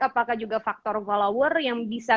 apakah juga faktor follower yang bisa